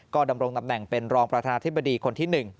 ก็ดำรงตำแหน่งเป็นรองประธานธิบดีคนที่๑